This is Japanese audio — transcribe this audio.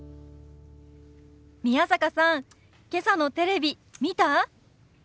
宮坂さんけさのテレビ見た？